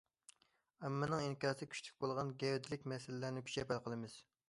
ئاممىنىڭ ئىنكاسى كۈچلۈك بولغان گەۋدىلىك مەسىلىلەرنى كۈچەپ ھەل قىلىمىز.